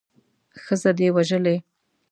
ښځه دې وژلې.